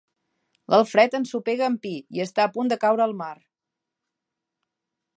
L'Alfred ensopega amb Pi i està a punt de caure al mar.